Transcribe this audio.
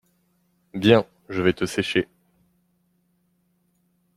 Viens, je vais te sécher.